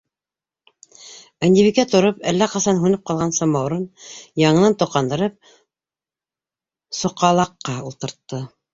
Ынйыбикә тороп, әллә ҡасан һүнеп ҡалған самауырын яңынан тоҡандырып, соҡалаҡҡа ултыртты.